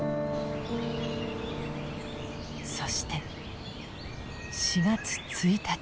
そして４月１日。